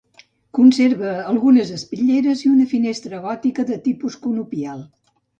Conserva algunes espitlleres i una finestra gòtica de tipus conopial.